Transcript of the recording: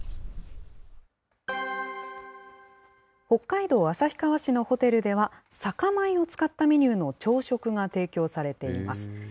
北海道旭川市のホテルでは、酒米を使ったメニューの朝食が提供されています。